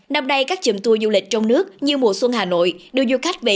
năm nay các chùm tour du lịch trong nước như mùa xuân hà nội đưa du khách về